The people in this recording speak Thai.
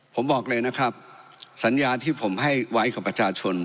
ผมบอกเลยนะครับสัญญาที่ผมให้ไว้กับประชาชน